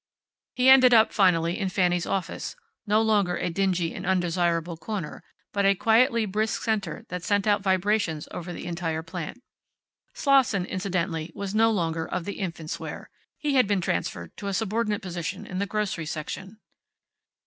He ended up finally in Fanny's office, no longer a dingy and undesirable corner, but a quietly brisk center that sent out vibrations over the entire plant. Slosson, incidentally, was no longer of the infants' wear. He had been transferred to a subordinate position in the grocery section.